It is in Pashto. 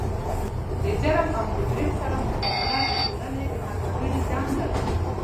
د جرم او مجرم سره مقابله د ټولنې د هر وګړي دنده ده.